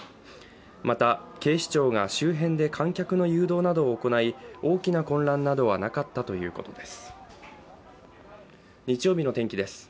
また警視庁が周辺で観客の誘導などを行い、大きな混乱などはなかったということです。